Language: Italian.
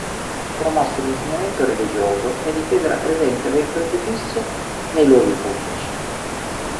Promosse l'insegnamento religioso e difese la presenza del crocifisso nei luoghi pubblici.